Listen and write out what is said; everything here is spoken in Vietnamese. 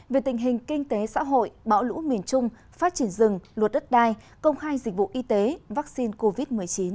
về tình hình kinh tế xã hội bão lũ miền trung phát triển rừng luật đất đai công khai dịch vụ y tế vaccine covid một mươi chín